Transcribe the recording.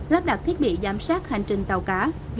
lắp đặt thiết bị giám sát hành trình tàu cá